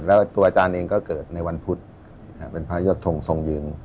แล้วตัวอาจารย์เองก็เกิดในวันพุธเป็นพระยอดทงทรงยืน